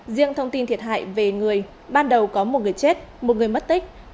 riêng thông tin thiệt hại về người ban đầu có một người chết một người mất tích